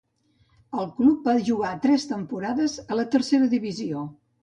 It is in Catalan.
El club va jugar tres temporades a la Tercera Divisió.